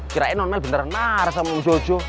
kirain nonmel beneran marah sama om jojo